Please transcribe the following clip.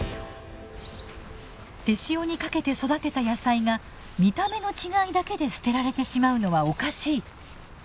手塩にかけて育てた野菜が見た目の違いだけで捨てられてしまうのはおかしい。